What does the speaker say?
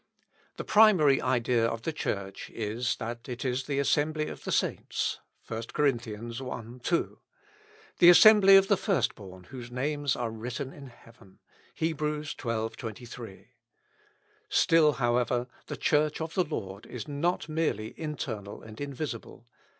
The primary idea of the Church is, that it is the assembly of the saints, (1 Cor., i, 2,) the assembly of the first born whose names are written in heaven. (Heb., xii, 23.) Still, however, the Church of the Lord is not merely internal and invisible.